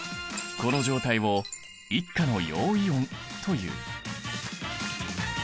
この状態を１価の陽イオンという。